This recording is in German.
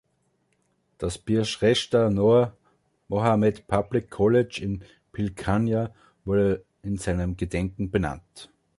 Das Birshreshtha Noor Mohammad Public College in Pilkhana wurde in seinem Gedenken benannt.